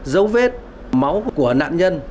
dấu vết máu của nạn nhân